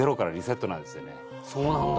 そうなんだ。